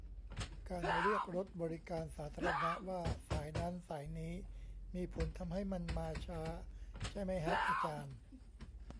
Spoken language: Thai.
การเรียกรถบริการสาธารณะว่า 'สาย' นั้น 'สาย' นี้ มีผลทำให้มันมาช้า ใช่มั๊ยฮะอาจารย์ ?